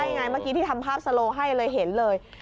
ไงเมื่อกี้ที่ทำภาพสโลให้เลยเห็นเลย